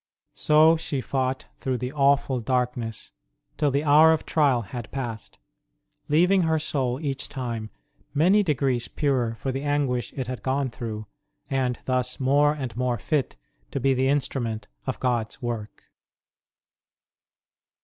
So she fought through the awful darkness till the hour of trial had passed, leaving her soul each time many degrees purer for the anguish it had gone through, and thus more and more fit to be the instrument of God s work.